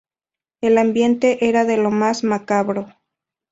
El ambiente era de lo más macabro.